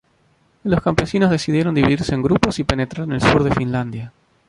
Los campesinos decidieron dividirse en grupos y penetrar en el sur de Finlandia.